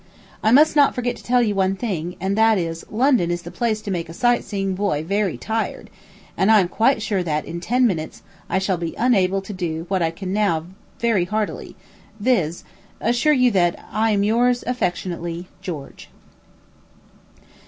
I must not forget to tell you one thing; and that is, London is the place to make a sight seeing boy very tired, and I am quite sure that, in ten minutes, I shall be unable to do what I can now very heartily, viz., assure you that I am yours, affectionately, GEORGE.